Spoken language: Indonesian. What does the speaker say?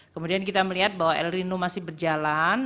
kemudian kita melihat bahwa el nino masih berjalan